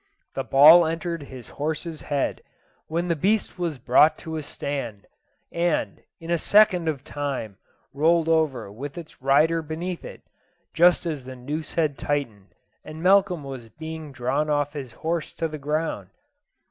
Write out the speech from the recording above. The ball entered his horse's head, when the beast was brought to a stand, and, in a second of time, rolled over with its rider beneath it, just as the noose had tightened, and Malcolm was being drawn off his horse to the ground.